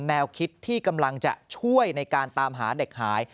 แนวคิดที่กำลังจะช่วยในการตามหาเด็กหาย